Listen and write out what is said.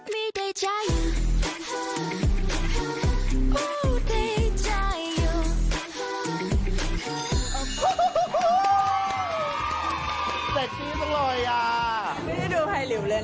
ไม่ได้ดูไพลลิวเลยนะ